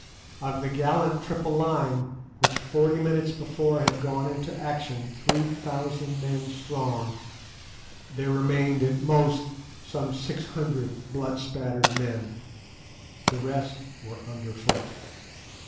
Of the gallant triple line, which forty minutes before had gone into action three thousand strong, there remained at most some six hundred blood spattered men; the rest were under foot.